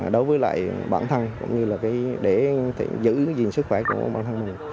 đối với lại bản thân cũng như là để giữ gìn sức khỏe của bản thân mình